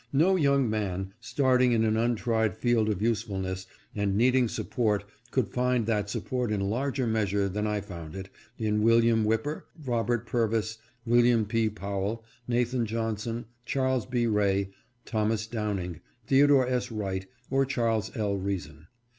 No young man, starting in an untried field of usefulness, and needing support, could find that sup port in larger measure than I found it, in William Whip per, Robert Purvis, William P. Powell, Nathan Johnson, Charles B. Ray, Thomas Downing, Theodore S. Wright or Charles L. Reason.